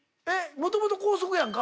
もともと高速やんか。